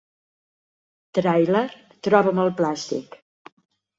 Tràiler Troba'm el plàstic.